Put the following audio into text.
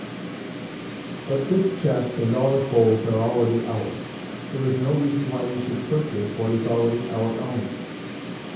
"But this chest and all it holds, are already ours; there is no reason why we should purchase what is already our own."